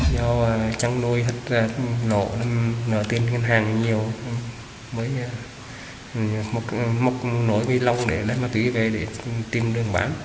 do chăng nuôi thích nộ tiền hàng nhiều mới mọc nổi với lâm để lấy ma túy về để tìm đường bán